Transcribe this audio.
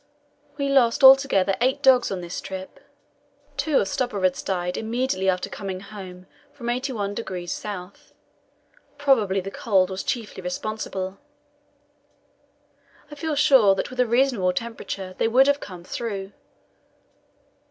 We lost altogether eight dogs on this trip; two of Stubberud's died immediately after coming home from 81° S. Probably the cold was chiefly responsible; I feel sure that with a reasonable temperature they would have come through.